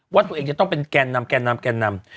ว่าตัวเองจะต้องเป็นแกนนำแก่นำแก่นำ